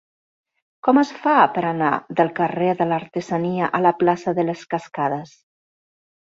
Com es fa per anar del carrer de l'Artesania a la plaça de les Cascades?